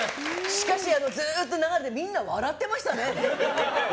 しかし、ずっと生でみんな笑ってましたね。